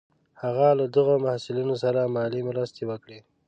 هغه له دغو محصلینو سره مالي مرستې وکړې.